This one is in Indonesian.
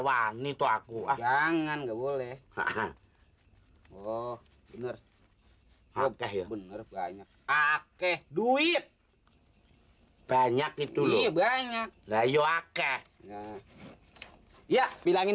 wah nito aku ajangan nggak boleh hah oh ra ha toh yeah ah enam ribu banyak itu lumanya yoke iya di relat